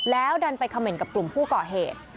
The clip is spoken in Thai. แล้วดันไปเขม่นกับกลุ่มผู้ก่อเหตุ